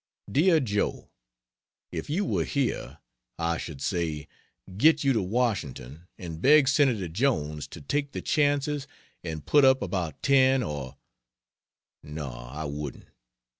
DEAR JOE, If you were here, I should say, "Get you to Washington and beg Senator Jones to take the chances and put up about ten or " no, I wouldn't.